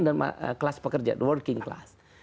dan kelas pekerja working class